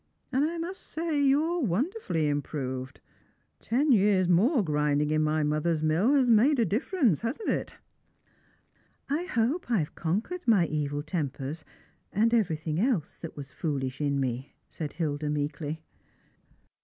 And I must say you're wonderfully improved; ten years' more grinding in my mother's mill has made a diflfcrence, hasn't it?" " I hope I have conquered my evil tempers, and everything else that was foolish in me," said Hilda meekly.